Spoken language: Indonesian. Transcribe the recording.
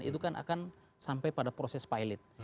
itu kan akan sampai pada proses pilot